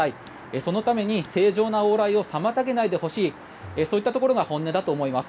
そのために正常な往来を妨げないでほしいそういったところが本音だと思います。